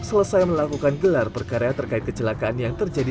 selesai melakukan gelar perkara terkait kecelakaan yang terjadi